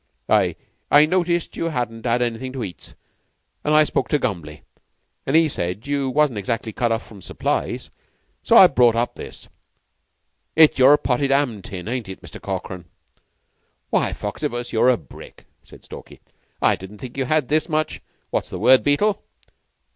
"I I noticed you 'adn't 'ad anything to eat, an' I spoke to Gumbly, an' he said you wasn't exactly cut off from supplies. So I brought up this. It's your potted 'am tin, ain't it, Mr. Corkran?" "Why, Foxibus, you're a brick," said Stalky. "I didn't think you had this much what's the word, Beetle?"